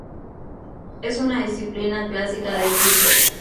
Es una disciplina clásica de circo.